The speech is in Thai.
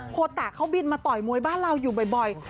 โคตะเขาบินมาต่อยมวยบ้านเราอยู่บ่อย